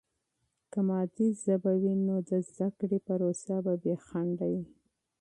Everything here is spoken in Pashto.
که مادي ژبه وي، نو د زده کړې پروسه به بې خنډه وي.